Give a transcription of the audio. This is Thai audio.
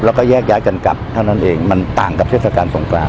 แล้วก็แยกย้ายกันกลับเท่านั้นเองมันต่างกับเทศกาลสงกราน